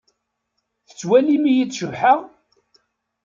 Tettwalim-iyi-d cebḥeɣ?